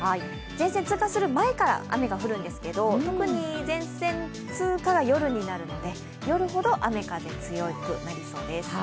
前線近づく前から雨が降るんですけど特に前線通過が夜になるので夜ほど雨・風強くなりそうです。